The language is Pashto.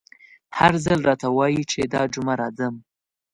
هر ځل راته وايي چې دا جمعه راځم….